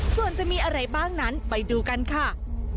ส่วนจะมีอะไรบ้างนั้นไปดูกันค่ะ